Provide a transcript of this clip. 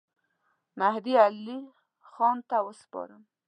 مهدي علي خان ته وسپارم.